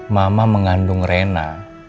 mama mengandung rena